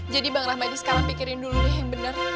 jadi bang rahmadi sekarang pikirin dulu deh yang benar